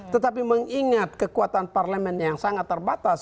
tetapi mengingat kekuatan parlemennya yang sangat terbatas